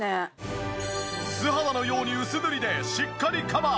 素肌のように薄塗りでしっかりカバー！